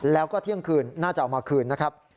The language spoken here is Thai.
แล้วก็เที่ยงคืนน่าจะเอามาคืนนะครับ